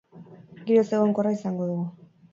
Giro ezegonkorra izango dugu.